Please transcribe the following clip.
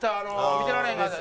見てられへんかった。